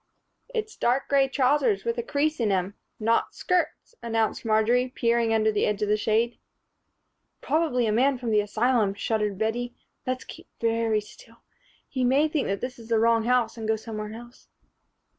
"It's dark gray trousers with a crease in 'em; not skirts," announced Marjory, peering under the edge of the shade. "Probably a man from the asylum," shuddered Bettie. "Let's keep very still. He may think that this is the wrong house and go somewhere else."